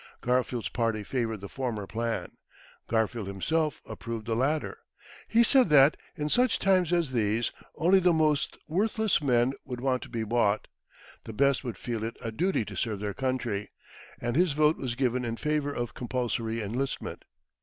Garfield's party favoured the former plan. Garfield himself approved the latter. He said that, in such times as these, only the most worthless men would want to be bought, the best would feel it a duty to serve their country, and his vote was given in favour of compulsory enlistment.